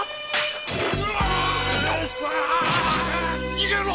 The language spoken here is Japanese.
逃げろ！